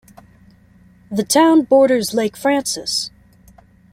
The town borders Lake Frances.